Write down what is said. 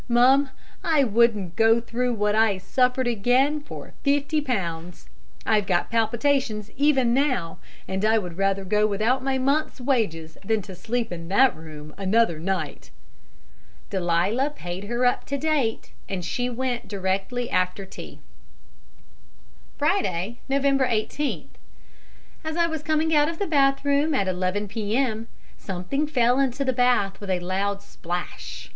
Mum, I wouldn't go through what I suffered again for fifty pounds; I've got palpitations even now; and I would rather go without my month's wages than sleep in that room another night.' Delia paid her up to date, and she went directly after tea. "Friday, November 18th. As I was coming out of the bathroom at 11 p.m. something fell into the bath with a loud splash.